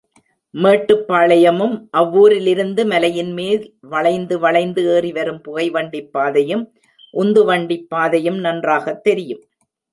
மேட்டுப்பாளையமும், அவ்வூரிலிருந்து மலையின்மேல் வளைந்து வளைந்து ஏறிவரும் புகைவண்டிப் பாதையும், உந்துவண்டிப் பாதையும் நன்றாகத் தெரியும்.